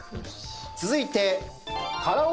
続いて。